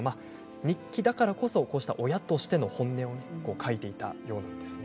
日記だからこそ親としての本音を書いていたようなんですね。